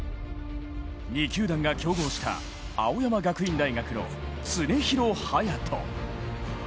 ２球団が競合した青山学院大学の常廣羽也斗。